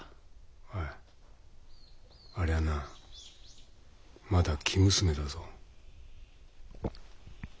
おいありゃなまだ生娘だぞ。